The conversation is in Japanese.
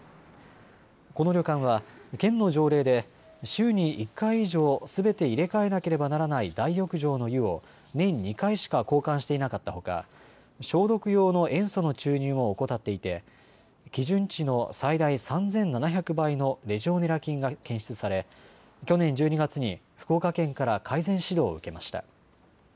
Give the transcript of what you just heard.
この旅館は県の条例で週に１回以上すべて入れ替えなければならない大浴場の湯を年２回しか交換していなかったほか消毒用の塩素の注入も怠っていて基準値の最大３７００倍のレジオネラ菌が検出され去年１２月に福岡県から改善指導を受けました。